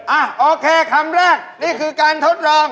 อ่ะโอเคคำแรกนี่คือการทดลอง